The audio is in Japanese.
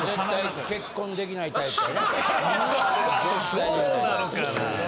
そうなのかな。